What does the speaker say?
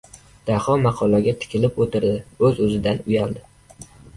Daho maqolaga tikilib o‘tirdi-o‘tirdi... o‘z-o‘zidan uyaldi!